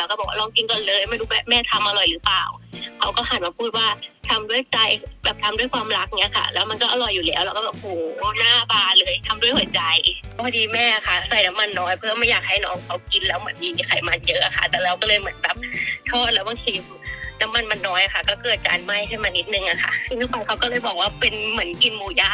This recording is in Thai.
ถ้าแบบแม่ทอดด้วยความโมโหมันจะเป็นยังไงมันก็จะไหม้เหมือนนี้